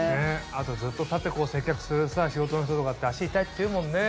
あとずっと立って接客する仕事の人とかって足痛いって言うもんね。